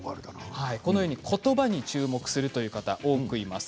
ことばに注目するという方多くいます。